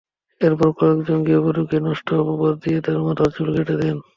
এরপর কয়েকজন গৃহবধূকে নষ্টা অপবাদ দিয়ে তাঁর মাথার চুল কেটে দেন।